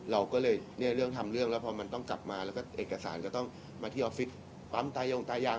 เราก็เลยเนี่ยเรื่องทำเรื่องแล้วพอมันต้องกลับมาแล้วก็เอกสารก็ต้องมาที่ออฟฟิศปั๊มตายงตายาง